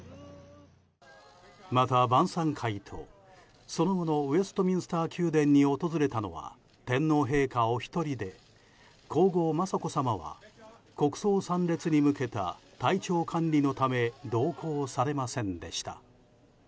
また晩餐会とその後のウェストミンスター宮殿に訪れたのは天皇陛下お一人で皇后・雅子さまは国葬参列に向けた体調管理のため同行されませんでした。